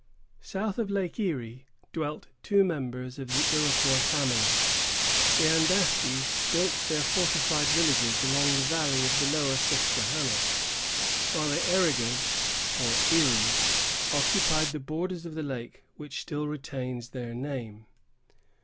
South of Lake Erie dwelt two members of the Iroquois family. The Andastes built their fortified villages along the valley of the Lower Susquehanna; while the Erigas, or Eries, occupied the borders of the lake which still retains their name.